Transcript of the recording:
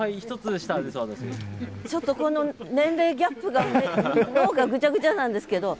ちょっとこの年齢ギャップがグチャグチャなんですけど。